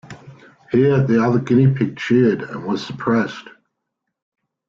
Here the other guinea-pig cheered, and was suppressed.